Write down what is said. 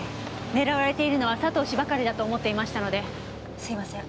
狙われているのは佐藤氏だとばかり思っていましたのですいません